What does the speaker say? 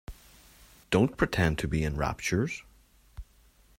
Don't pretend to be in raptures.